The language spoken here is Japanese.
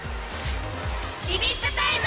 ビビッとタイム！